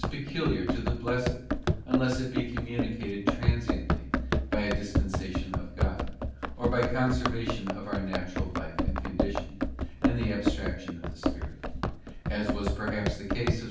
peculiar to the Blessed, unless it be communicated tran siently by a dispensation of God, or by conservation of our natural life and condition, and the abstraction of the spirit; as was perhaps the case of S.